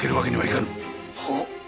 はっ。